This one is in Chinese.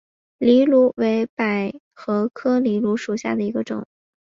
藜芦为百合科藜芦属下的一个种。